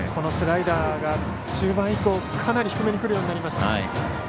スライダーが中盤以降かなり低めに来るようになりました。